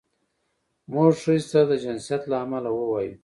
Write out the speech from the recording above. موږ ښځې ته د جنسیت له امله ووایو.